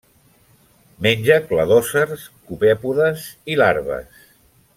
Menja cladòcers, copèpodes i larves.